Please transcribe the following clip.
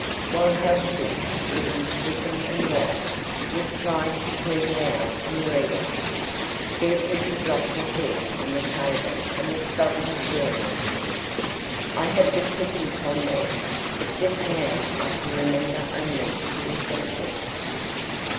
While Halsey, looking stricken and white, was trying to smooth it out and read it, Gertrude had dropped her head on the table and was sobbing stormily. I have the clipping somewhere, but just now I can remember only the essentials.